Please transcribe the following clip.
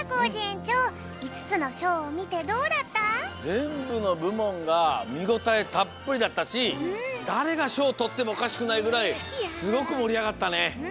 ぜんぶのぶもんがみごたえたっぷりだったしだれがしょうをとってもおかしくないぐらいすごくもりあがったね。